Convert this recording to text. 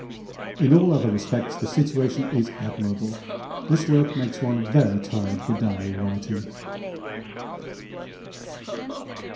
In all other respects the situation is admirable. This work makes one very tired for Diary writing.